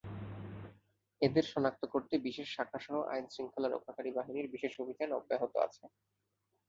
এদের শনাক্ত করতে বিশেষ শাখাসহ আইনশৃঙ্খলা রক্ষাকারী বাহিনীর বিশেষ অভিযান অব্যাহত আছে।